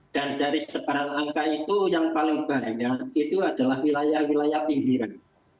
dari sekarang angka itu yang paling banyak itu adalah wilayah wilayah pinggiran